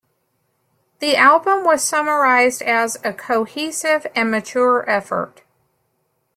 The album was summarised as "a cohesive and mature effort".